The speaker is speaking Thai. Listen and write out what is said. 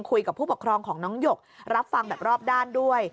คุยกับผู้ปกครองของน้องหยกรับฟังแบบรอบด้านด้วย